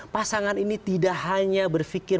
pasangan ini tidak hanya berpikir